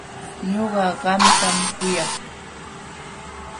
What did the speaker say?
Ñuqa qamtam kuyak.